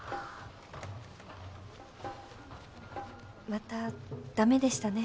また駄目でしたね。